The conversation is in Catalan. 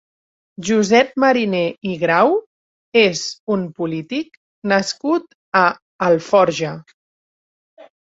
Josep Mariné i Grau és un polític nascut a Alforja.